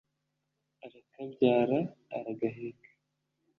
arakabyara aragaheka